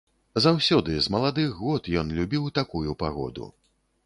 Заўсёды, з маладых год, ён любіў такую пагоду.